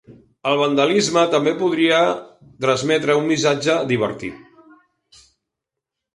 El vandalisme també podria transmetre un missatge divertit!